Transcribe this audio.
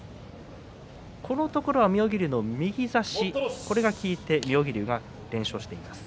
このところは妙義龍の右差しが効いて妙義龍が連勝しています。